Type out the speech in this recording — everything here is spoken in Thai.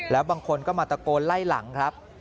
แล้วบางคนก็มาตะโกนไล่หลังครับ